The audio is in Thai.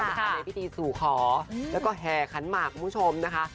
ในพิธีสู่ขอแล้วก็แห่ขันหมากคุณผู้ชมนะคะ